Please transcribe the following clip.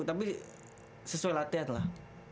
tapi sesuai latihan lah